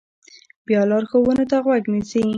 بیا لارښوونو ته غوږ نیسي.